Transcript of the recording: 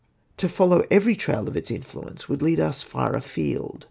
To follow every trail of its influence would lead us far afield.